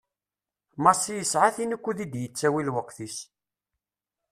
Massi yesɛa tin ukkud i d-yettawi lweqt-is.